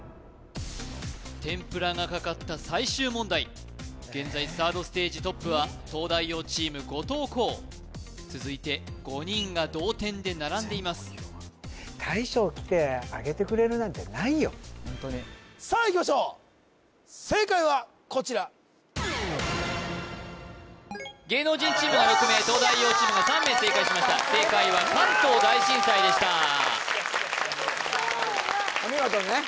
天ぷらがかかった最終問題現在サードステージトップは東大王チーム後藤弘続いて５人が同点で並んでいます・ホントにさあいきましょう正解はこちら芸能人チームが６名東大王チームが３名正解しました正解は関東大震災でしたお見事でね